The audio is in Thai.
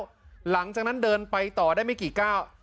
ผมเดินเบาอยู่แล้วหลังจากนั้นเดินไปต่อได้ไม่กี่ก้าว